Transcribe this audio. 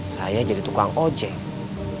saya jadi tukang ojek